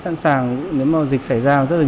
thật sự là cũng không bao giờ trả lời được